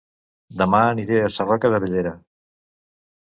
Dema aniré a Sarroca de Bellera